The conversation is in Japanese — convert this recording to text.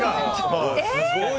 え！